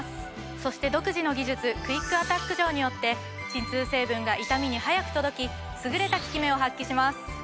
そして独自の技術クイックアタック錠によって鎮痛成分が痛みに速く届き優れた効き目を発揮します。